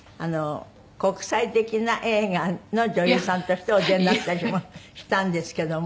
国際的な映画の女優さんとしてお出になったりもしたんですけども。